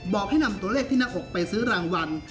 บอกให้นำตัวเลขที่หน้าอกไปซื้อรางวัล